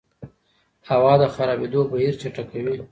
هوا د خرابېدو بهیر چټکوي.